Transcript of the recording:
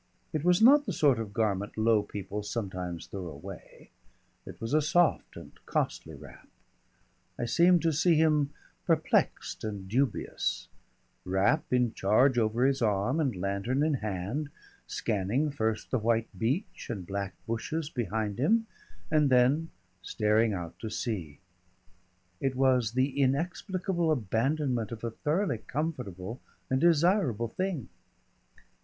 It was not the sort of garment low people sometimes throw away it was a soft and costly wrap. I seem to see him perplexed and dubious, wrap in charge over his arm and lantern in hand, scanning first the white beach and black bushes behind him and then staring out to sea. It was the inexplicable abandonment of a thoroughly comfortable and desirable thing.